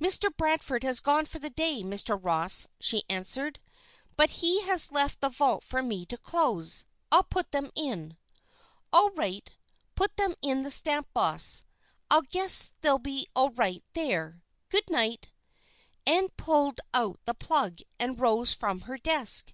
"Mr. Bradford has gone for the day, Mr. Ross," she answered, "but he has left the vault for me to close; I'll put them in." "All right. Put them in the stamp box; I guess they'll be all right there. Good night!" Ann pulled out the plug and rose from her desk.